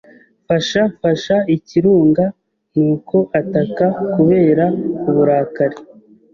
Fasha fasha ikirunga nuko ataka kubera uburakari